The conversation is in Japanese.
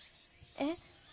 えっ。